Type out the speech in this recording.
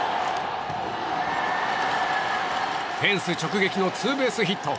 フェンス直撃のツーベースヒット。